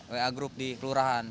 wa group di kelurahan